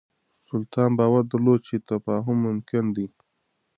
سلطان باور درلود چې تفاهم ممکن دی.